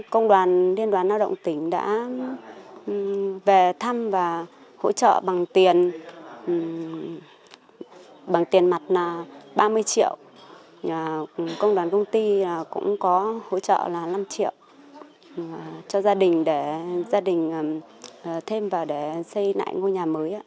công đoàn liên đoàn đạo động tỉnh đã về thăm và hỗ trợ bằng tiền mặt là ba mươi triệu công đoàn công ty cũng có hỗ trợ là năm triệu cho gia đình thêm vào để xây lại ngôi nhà mới